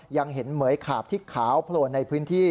ยังเห็นเหมือยขาบที่ขาวโพลนในพื้นที่